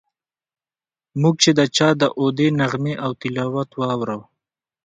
موږ چې د چا داودي نغمې او تلاوت واورو.